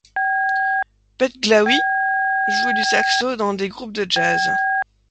Petglaoui jouait du saxo dans des groupes de jazz.